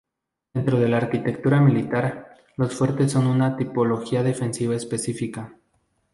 Dentro de la arquitectura militar, los fuertes son una tipología defensiva específica.